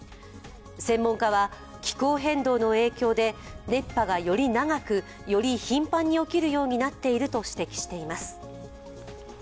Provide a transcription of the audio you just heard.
専門家は、気候変動の影響で熱波がより長く、より頻繁に起きるようになっていると指摘しています。